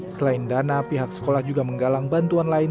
selain dana pihak sekolah juga menggalang bantuan lain